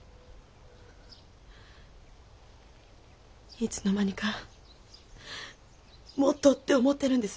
いつのまにかもっとって思ってるんです。